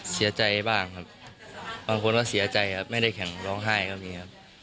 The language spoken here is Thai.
เสียใจบ้างครับบางคนก็เสียใจครับไม่ได้แข่งร้องไห้ก็มีครับ